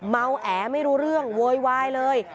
เมาแอไม่รู้เรื่องโวยวายเลย